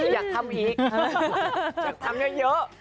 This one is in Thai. อยากทำอีกอยากทำเยอะ